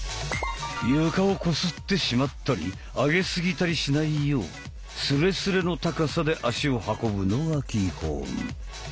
床をこすってしまったり上げすぎたりしないようスレスレの高さで足を運ぶのが基本。